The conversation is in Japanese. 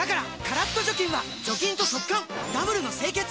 カラッと除菌は除菌と速乾ダブルの清潔！